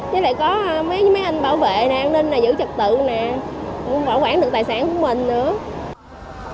với lại có mấy anh bảo vệ an ninh giữ trật tự bảo quản được tài sản của mình nữa